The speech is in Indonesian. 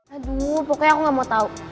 aduh pokoknya aku gak mau tahu